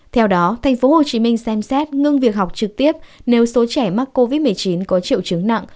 theo đó tp hcm xem xét ngưng việc học trực tiếp nếu số trẻ mắc covid một mươi chín có triệu chứng nặng